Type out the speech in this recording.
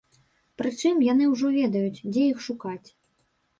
Прычым яны ўжо ведаюць, дзе іх шукаць.